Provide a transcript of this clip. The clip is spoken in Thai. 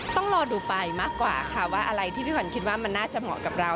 ต้องรอดูไปมากกว่าค่ะว่าอะไรที่พี่ขวัญคิดว่ามันน่าจะเหมาะกับเรา